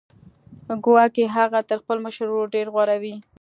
ګواکې هغه تر خپل مشر ورور ډېر غوره دی